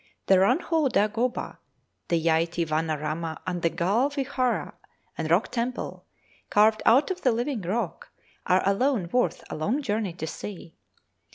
The Ranhol Dagoba, the Jayti Wana Rama, and the Galle Wihara and rock temple, carved out of the living rock, are alone worth a long journey to see.